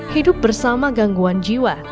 hidup bersama gangguan jiwa